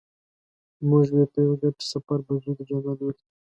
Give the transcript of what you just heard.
موږ وې په یو ګډ سفر به ځو د جانان لوري ته